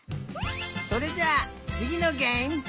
それじゃあつぎのげえむ！